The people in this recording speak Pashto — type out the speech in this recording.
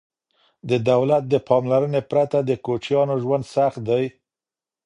د دولت د پاملرنې پرته د کوچیانو ژوند سخت دی.